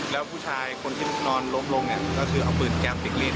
แล้วผู้ชายคนที่นอนลบลงก็คือเอาปืนกรับเด็กเล่น